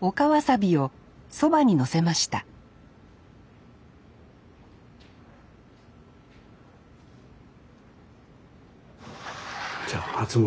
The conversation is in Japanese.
陸わさびをそばに載せましたじゃあ初物。